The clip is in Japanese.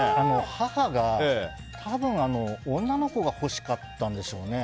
母が多分女の子が欲しかったんでしょうね。